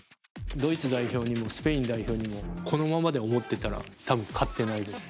ドイツ代表にもスペイン代表にもこのままで思ってたら多分、勝ってないです。